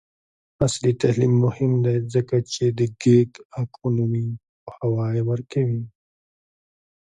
عصري تعلیم مهم دی ځکه چې د ګیګ اکونومي پوهاوی ورکوي.